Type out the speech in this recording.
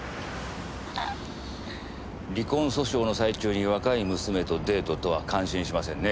離婚訴訟の最中に若い娘とデートとは感心しませんね。